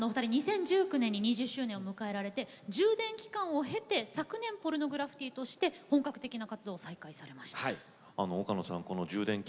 ２０１９年にお二人は２０周年を迎えられまして充電期間を経て昨年、ポルノグラフィティとして本格的な活動を再開されたということです。